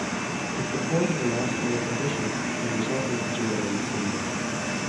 He performed a last-minute audition, and was offered the job on the same day.